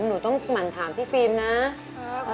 หนูต้องหมั่นถามพี่ฟิล์มนะครับ